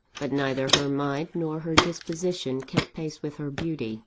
But neither her mind nor her disposition kept pace with her beauty.